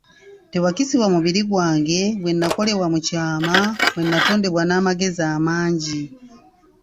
Tewakisibwa mubiri gwange, bwe nnakolebwa mu kyama, bwe nnatondebwa n'amagezi amangi.